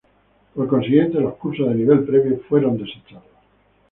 Por consiguiente, los cursos de nivel previo fueron desechados.